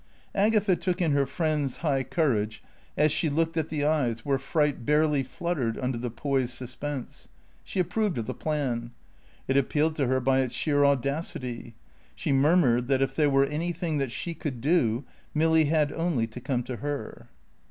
Agatha took in her friend's high courage as she looked at the eyes where fright barely fluttered under the poised suspense. She approved of the plan. It appealed to her by its sheer audacity. She murmured that, if there were anything that she could do, Milly had only to come to her.